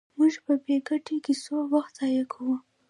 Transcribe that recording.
موږ په بې ګټې کیسو وخت ضایع کوو.